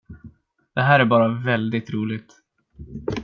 Det här är bara väldigt roligt.